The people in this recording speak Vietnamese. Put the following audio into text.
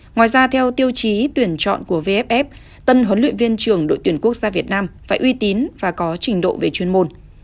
ngoài ra theo tiêu chí tuyển chọn của vff tân huấn luyện viên trưởng đội tuyển quốc gia việt nam phải uy tín và có trình độ về chuyên môn